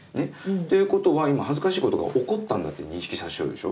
っていうことは今恥ずかしいことが起こったんだって認識させちゃうでしょ。